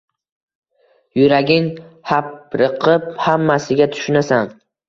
Yuraging hapriqib hammasiga tushunasan.